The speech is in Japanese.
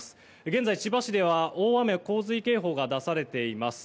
現在、千葉市では大雨・洪水警報が出されています。